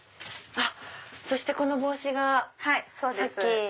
そしてこの帽子がさっき。